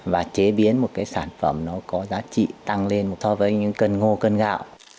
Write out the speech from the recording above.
và chế biến một sản phẩm có giá trị tăng lên so với những cân ngô cân gạo